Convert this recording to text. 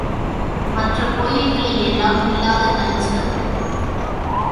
மற்றக் கோயில்களில் எல்லாம் இல்லாத தனிச்சிறப்பு.